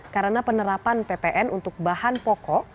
karena penerapan ppn untuk bahan pokok